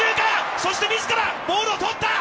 そして、みずからボールをとった。